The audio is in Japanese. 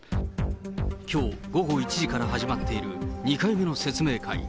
きょう午後１時から始まっている２回目の説明会。